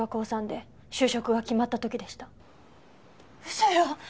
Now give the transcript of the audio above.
嘘よ！